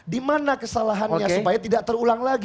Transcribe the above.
dimana kesalahannya supaya tidak terulang lagi